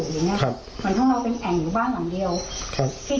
เวลาเจ๊ถ่ายไปแล้วอ่ะมันเป็นอย่างนี้เห็นมันไม่จบน้ำก็ยังเข้าอยู่อย่างเงี้ย